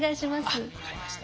あっ分かりました。